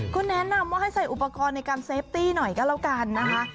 ก็แนะนำว่าให้ใส่อุปกรณ์ในการเซฟตี้หน่อยก็แล้วกันนะคะ